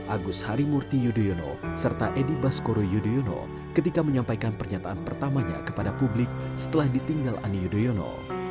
agus harimurti yudhoyono serta edi baskoro yudhoyono ketika menyampaikan pernyataan pertamanya kepada publik setelah ditinggal ani yudhoyono